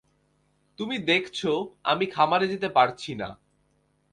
তুমি দেখছো, আমি খামারে যেতে পারছি না।